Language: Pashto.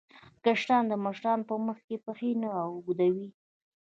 کشران د مشرانو په مخ کې پښې نه اوږدوي.